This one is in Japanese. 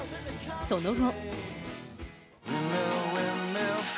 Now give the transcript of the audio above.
その後。